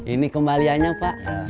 ini kembaliannya pak